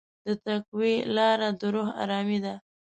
د تقوی لاره د روح ارامي ده.